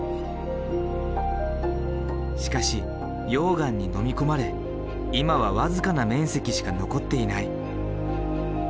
しかし溶岩にのみ込まれ今は僅かな面積しか残っていない。